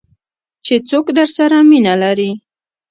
چې څوک درسره مینه لري .